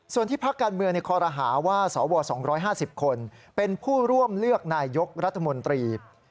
ส่วนที่พักการเมืองในคอรหาว่าสว๒๕๐คนเป็นผู้ร่วมเลือกนายยกรัฐมนตรี